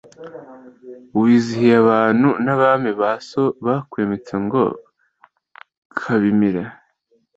Wizihiye abantu n’Abami ba so Abakwimitse ngo kabimire